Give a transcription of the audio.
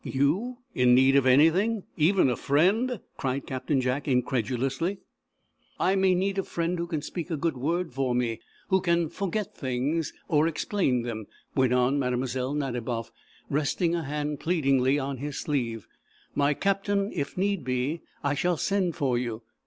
"You in need of anything even a friend?" cried Captain Jack, incredulously. "I may need a friend who can speak a good word for me; who can forget things, or explain them." went on Mlle. Nadiboff, resting a hand pleadingly on his sleeve "My Captain, if need be, I shall send for you.